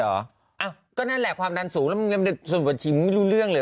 อะก็นั่นแหละความดันสูงสมุดบัญชีไม่รู้เรื่องเลย